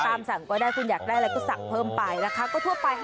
ตามสั่งก็ได้คุณอยากได้อะไรก็สั่งเพิ่มไปละคะก็ทั่วปลาย๕๑๐๖๐บาท